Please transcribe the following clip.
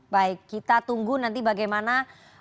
baik kita tunggu nanti bagaimana